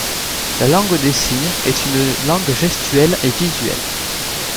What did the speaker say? La langue des signes est une langue gestuelle et visuelle.